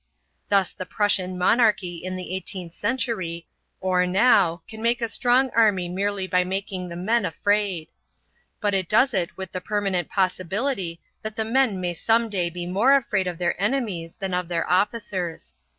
Thus the Prussian monarchy in the eighteenth century, or now, can make a strong army merely by making the men afraid. But it does it with the permanent possibility that the men may some day be more afraid of their enemies than of their officers.